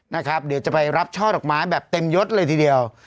นะครับเดี๋ยวจะไปรับช่อดอกไม้แบบเต็มยดเลยทีเดียว